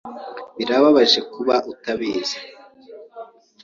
Birababaje kuba utabizi.